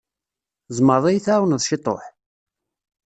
Tzemreḍ ad yi-tεwawneḍ ciṭuḥ?